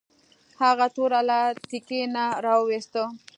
هغه توره له تیکي نه راویوسته.